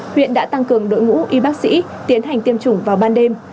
huyện đã tăng cường đội ngũ y bác sĩ tiến hành tiêm chủng vào ban đêm